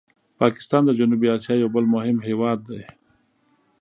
پاکستان د جنوبي آسیا یو بل مهم هېواد دی.